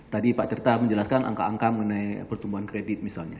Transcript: tadi pak tirta menjelaskan angka angka mengenai pertumbuhan kredit misalnya